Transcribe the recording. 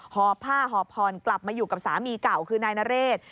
หอบผ้าหอบผ่อนกลับมาอยู่กับสามีเก่าคือนายนเรศ